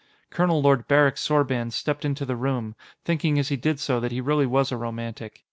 Colonel Lord Barrick Sorban stepped into the room, thinking as he did so that he really was a romantic.